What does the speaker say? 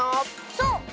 そう。